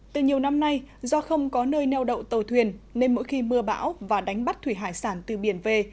từ nhiều năm nay do không có nơi neo đậu tàu thuyền nên mỗi khi mưa bão và đánh bắt thủy hải sản từ biển về